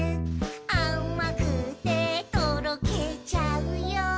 「あまくてとろけちゃうよ」